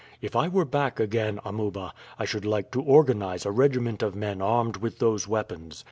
If I were back again, Amuba, I should like to organize a regiment of men armed with those weapons.